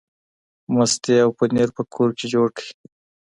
ماستې او پنیر په کور کې جوړ کړئ.